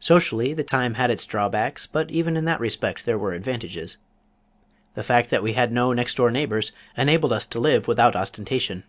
Socially the time had its draw backs, but even in that respect there were advantages. The fact that we had no next door neighbors enabled us to live without ostentation.